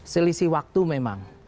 selisih waktu memang